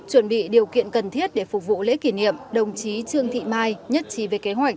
chuẩn bị điều kiện cần thiết để phục vụ lễ kỷ niệm đồng chí trương thị mai nhất trí về kế hoạch